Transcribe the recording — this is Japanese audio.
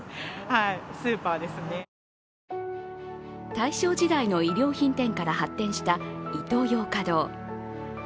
大正時代の衣料品店から発展したイトーヨーカドー。